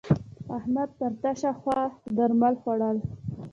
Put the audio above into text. احمد پر تشه خوا درمل خوړول.